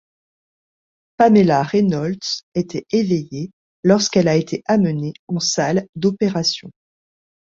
Pamela Reynolds était éveillée lorsqu'elle a été amenée en salle d'opération.